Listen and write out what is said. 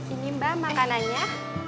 ini mbak makanannya